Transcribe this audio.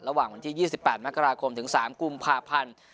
ระหว่างวันที่๒๘มกราคมถึง๓กุมภาพันธ์